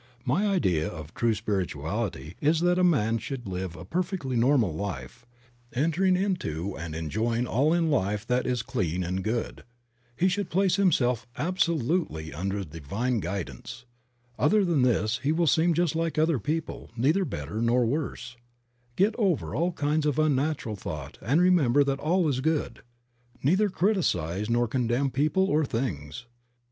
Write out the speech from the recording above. My idea of true spirituality is that a man should live a perfectly normal life, entering into and enjoying all in life that is clean and good. He should place himself absolutely under the divine guidance. Other than this he will seem just like other people, neither better nor worse. Get over all kinds of unnatural thought and remember that all is good. Neither criticize nor con demn people or things.